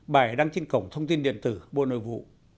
bài đăng trên cổng thông tin điện tử bộ nội vụ